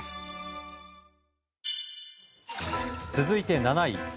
続いて７位。